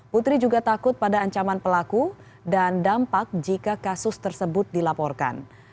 putri juga takut pada ancaman pelaku dan dampak jika kasus tersebut dilaporkan